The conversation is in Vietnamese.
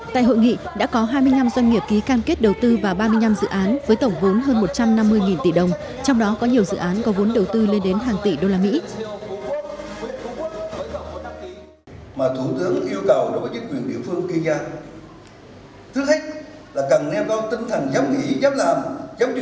tại hội nghị đã có hai mươi năm doanh nghiệp ký cam kết đầu tư và ba mươi năm dự án với tổng vốn hơn một trăm năm mươi tỷ đồng trong đó có nhiều dự án có vốn đầu tư lên đến hàng tỷ đô la mỹ